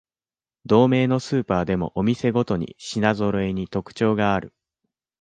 同名のスーパーでもお店ごとに品ぞろえに特徴がある